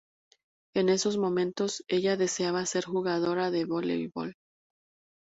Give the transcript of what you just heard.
En esos momentos, ella deseaba ser jugadora de voleibol.